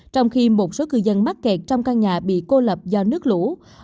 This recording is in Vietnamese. trong khi một số cư dân mắc kẹt trong căn nhà bị cô lập do nước lũ